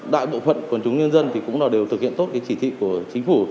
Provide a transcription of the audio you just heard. đại bộ phận quần chúng nhân dân cũng đều thực hiện tốt chỉ thị của chính phủ